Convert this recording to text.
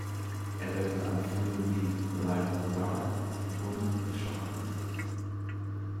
Er wirkte an Filmen wie "The Light in the Dark" und "The Shock" mit.